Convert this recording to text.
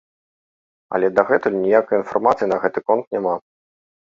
Але дагэтуль ніякай інфармацыі на гэты конт няма.